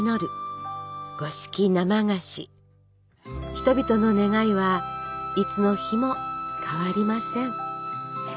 人々の願いはいつの日も変わりません。